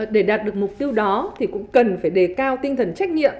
để đạt được mục tiêu đó thì cũng cần phải đề cao tinh thần trách nhiệm